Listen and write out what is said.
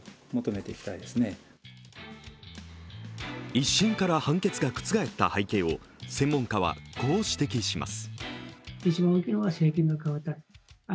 １審から判決が覆った背景を専門家はこう指摘します。